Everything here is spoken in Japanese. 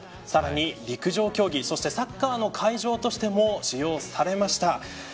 さらに陸上競技、サッカーの会場としても使用されました。